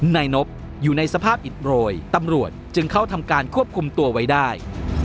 นายนบอยู่ในสภาพอิดโรยตำรวจจึงเข้าทำการควบคุมตัวไว้ได้